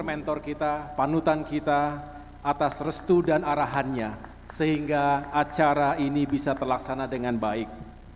dan penonton kita panutan kita atas restu dan arahannya sehingga acara ini bisa terlaksana dengan baik